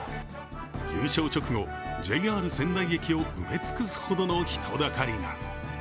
優勝直後、ＪＲ仙台駅を埋め尽くすほどの人だかりが。